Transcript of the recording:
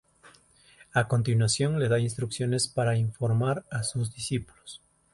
A continuación, le da instrucciones para informar a los discípulos.